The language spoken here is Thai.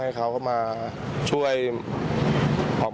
แล้วเราก็โปรดช่อง